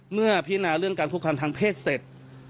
พิจารณาเรื่องการคุกคำทางเพศเสร็จ